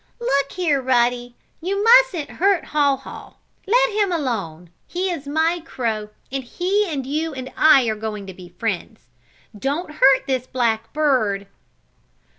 "Look here, Ruddy! You mustn't hurt Haw Haw. Let him alone! He is my crow and he and you and I are going to be friends. Don't hurt this black bird!"